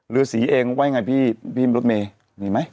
รื้อสีเองไว้ไงพี่รถเมย์มีไหม